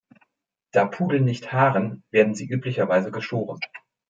Da Pudel nicht haaren, werden sie üblicherweise geschoren.